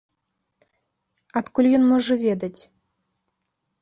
Адкуль ён можа ведаць?